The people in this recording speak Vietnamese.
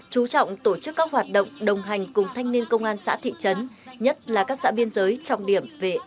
chú trọng tổ chức các hoạt động đồng hành cùng thanh niên công an xã thị trấn nhất là các xã biên giới trọng điểm về an ninh